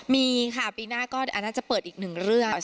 มีค่ะปีหน้าก็น่าจะเปิดอีกหนึ่งเรื่อง